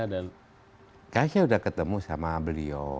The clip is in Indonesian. kayaknya sudah ketemu sama beliau